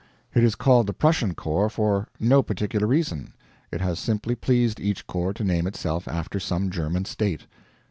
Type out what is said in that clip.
It is called the Prussian Corps for no particular reason. It has simply pleased each corps to name itself after some German state.